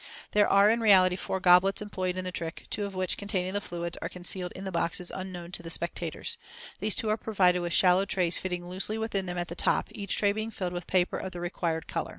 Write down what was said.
There are in reality four goblets employed in the trick, two of which, containing the fluids, are concealed in the boxes unknown to the spectators. These two are provided with shallow trays fitting loosely within them at the top, each tray being filled with paper of the required color (Fig. 29).